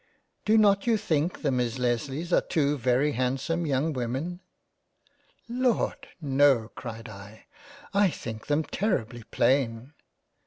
Do not you think the Miss Lesleys are two very handsome young Women ?"" Lord ! No ! (cried I) I think them terribly plain